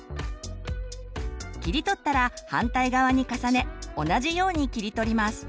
切り取ったら反対側に重ね同じように切り取ります。